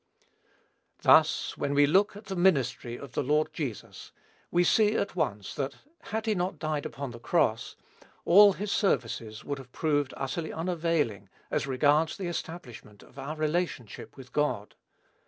Thus, when we look at the ministry of the Lord Jesus, we see, at once, that, had he not died upon the cross, all his services would have proved utterly unavailing as regards the establishment of our relationship with God.